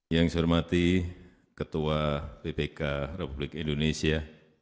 yang saya hormati ketua bpk republik indonesia